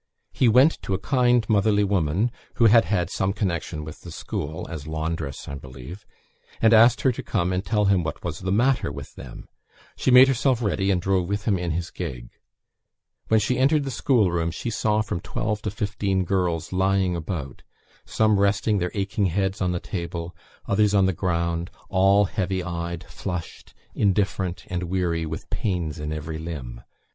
He went to a kind motherly woman, who had had some connection with the school as laundress, I believe and asked her to come and tell him what was the matter with them. She made herself ready, and drove with him in his gig. When she entered the schoolroom, she saw from twelve to fifteen girls lying about; some resting their aching heads on the table, others on the ground; all heavy eyed, flushed, indifferent, and weary, with pains in every limb.